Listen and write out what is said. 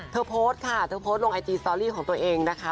เธอโพสต์ลงไอจีสตอรี่ของตัวเองนะคะ